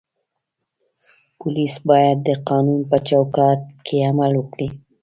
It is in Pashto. پولیس باید د قانون په چوکاټ کې عمل وکړي.